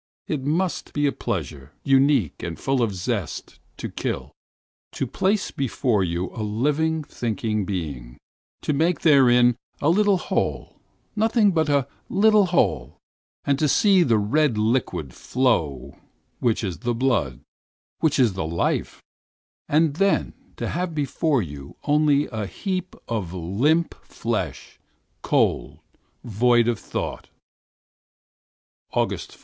It must be a pleasure, unique and full of zest, to kill; to have there before one the living, thinking being; to make therein a little hole, nothing but a little hole, to see that red thing flow which is the blood, which makes life; and to have before one only a heap of limp flesh, cold, inert, void of thought! 5th August.